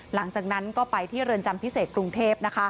หลังจากนั้นก็ไปที่เรือนจำพิเศษกรุงเทพ